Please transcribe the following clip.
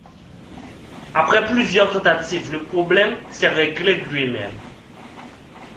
Après plusieurs tentatives, le problème s'est réglé de lui-même.